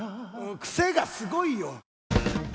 クセがすごいよ。